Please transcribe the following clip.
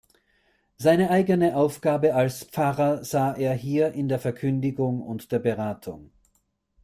Seine eigene Aufgabe als Pfarrer sah er hier in der Verkündigung und der Beratung.